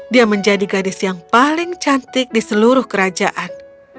dia menjadi gadis yang paling cantik di seluruh kerajaan